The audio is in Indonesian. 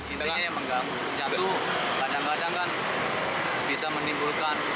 intinya ya mengganggu jatuh kadang kadang kan bisa menimbulkan celaka